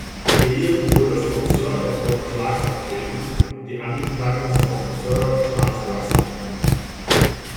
William wurde von Sir Edward Clarke vertreten, die Angeklagten von Sir Charles Russell.